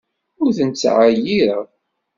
Ur ten-ttɛeyyiṛeɣ.